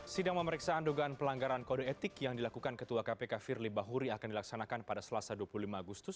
sidang pemeriksaan dugaan pelanggaran kode etik yang dilakukan ketua kpk firly bahuri akan dilaksanakan pada selasa dua puluh lima agustus